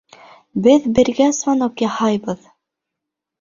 Беҙ бер генә звонок яһайбыҙ!